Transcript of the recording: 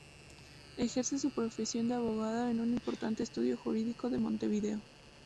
Ejerce su profesión de abogado en un importante estudio jurídico de Montevideo.